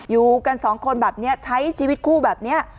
อยู่กันสองคนแบบนี้ใช้ชีวิตคู่แบบนี้